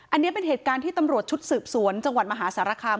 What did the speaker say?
อันนี้เป็นเหตุการณ์ที่ตำรวจชุดสืบสวนจังหวัดมหาสารคาม